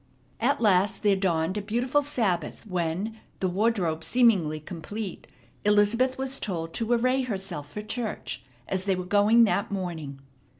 At last there dawned a beautiful Sabbath when, the wardrobe seemingly complete, Elizabeth was told to array herself for church, as they were going that morning.